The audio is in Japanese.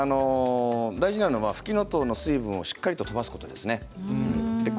大事なのは、ふきのとうの水分をしっかり飛ばすことです。